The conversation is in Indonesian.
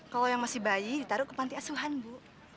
kalau yang masih bayi ditaruh ke panti asuhan bu